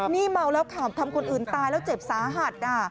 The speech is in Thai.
นี่เมาแล้วขับทำคนอื่นตายแล้วเจ็บสาหัส